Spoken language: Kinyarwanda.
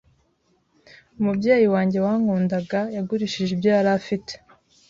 umubyeyi wange wankundaga yagurishije ibyo yari afite